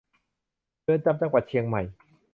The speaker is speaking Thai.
เรือนจำจังหวัดเชียงใหม่